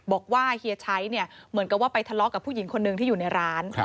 เฮียชัยเนี่ยเหมือนกับว่าไปทะเลาะกับผู้หญิงคนหนึ่งที่อยู่ในร้าน